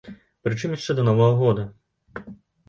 Прычым яшчэ да новага года.